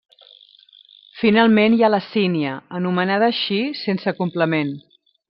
Finalment, hi ha la Sínia, anomenada així, sense complement.